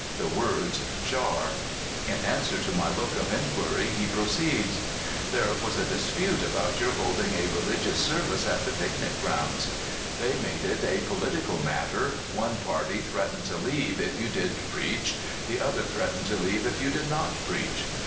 The words jar. In answer to my look of inquiry, he proceeds : "There was a dispute about your holding a re ligious service at the picnic grounds. They made it a political matter one party threatened to leave if you did preach, the other threatened to leave if you did not preach.